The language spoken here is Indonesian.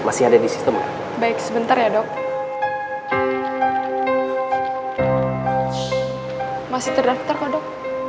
masih terdaftar kok dok